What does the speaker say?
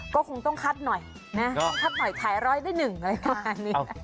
ก็คงต้องคัดหน่อยถัดหน่อยถ่ายร้อยได้หนึ่งเลยค่ะ